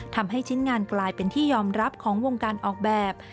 ทำให้ชิ้นงานกลายเป็นที่ยอมรับของวงการออกแบบ